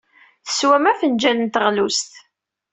Teswam afenjal n teɣlust.